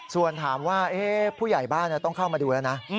ส่วนถามว่าผู้ใหญ่บ้านต้องเข้ามาดูแล้วนะ